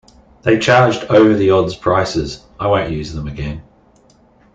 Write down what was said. They charged over-the-odds prices, I won't use them again.